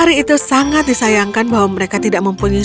hari itu sangat disayangkan bahwa mereka tidak mempunyai